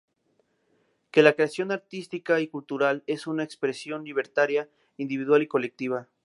Que la creación artística y cultural es una expresión libertaria individual y colectiva.